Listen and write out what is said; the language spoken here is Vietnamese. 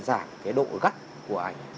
giảm cái độ gắt của ảnh